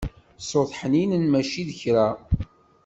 Ṣṣut ḥninen mačči d kra.